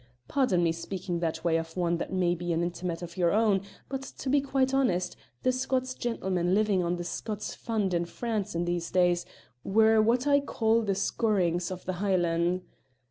Pardon me speaking that way of one that may be an intimate of your own, but to be quite honest, the Scots gentlemen living on the Scots Fund in France in these days were what I call the scourings of the Hielan's.